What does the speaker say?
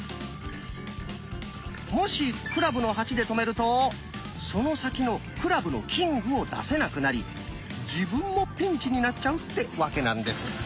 もし「クラブの８」で止めるとその先の「クラブのキング」を出せなくなり自分もピンチになっちゃうって訳なんです。